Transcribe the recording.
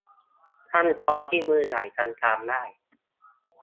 ขั้นตอนที่มือใหม่ทำตามได้